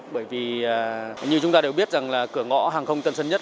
bởi vì như chúng ta đều biết rằng là cửa ngõ hàng không tân sơn nhất